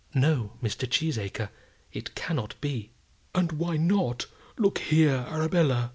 "No, Mr. Cheesacre; it cannot be." "And why not? Look here, Arabella!"